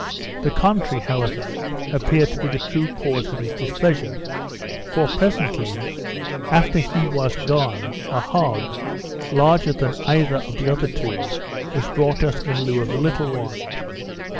The contrary, however, appeared to be the true cause of his displeasure; for, presently after he was gone, a hog, larger than either of the other two, was brought us in lieu of the little one.